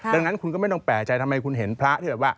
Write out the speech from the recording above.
ทำไมคุณเห็นพระ